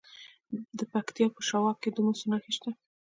د پکتیا په شواک کې د مسو نښې شته.